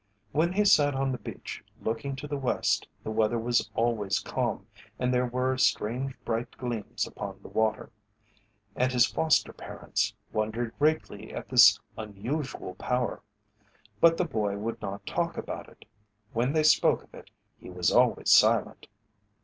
When he sat on the beach looking to the west the weather was always calm and there were strange bright gleams upon the water. And his foster parents wondered greatly at this unusual power. But the boy would not talk about it; when they spoke of it he was always silent.